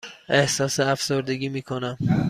احساس افسردگی می کنم.